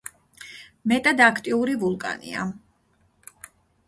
მეტად აქტიური ვულკანია.